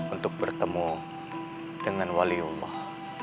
untuk bertemu dengan waliullah